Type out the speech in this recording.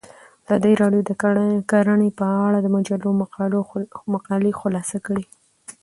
ازادي راډیو د کرهنه په اړه د مجلو مقالو خلاصه کړې.